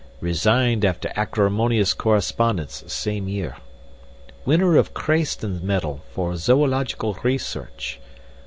Resigned after acrimonious correspondence same year. Winner of Crayston Medal for Zoological Research.